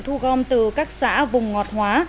thu gom từ các xã vùng ngọt hóa